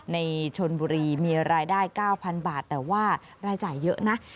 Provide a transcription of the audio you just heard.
ในชนบุรีมีรายได้๙๐๐บาทแต่ว่ารายจ่ายเยอะนะ